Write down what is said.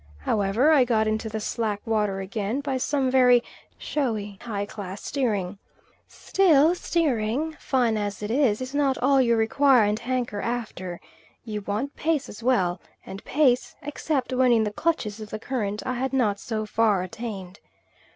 However, I got into the slack water again, by some very showy, high class steering. Still steering, fine as it is, is not all you require and hanker after. You want pace as well, and pace, except when in the clutches of the current, I had not so far attained.